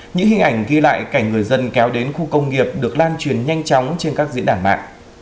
những hình ảnh ghi lại cảnh người dân kéo đến khu công nghiệp được lan truyền nhanh chóng trên các diễn đàn mạng